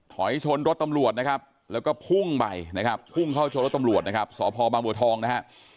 ถอยชนรถตำรวจนะครับแล้วก็พุ่งไปนะครับพุ่งเข้าชนรถตำรวจนะครับสพบางบัวทองนะฮะ